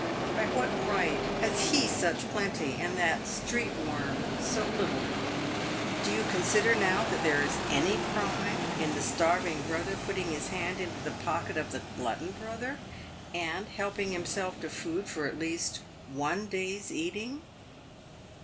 By what right has he such plenty and that street worm so little ? Do you consider, now, that there is any crime in the starving brother putting his hand into the pocket of the glutton brother/and helping himself to food for at least one day's eating?"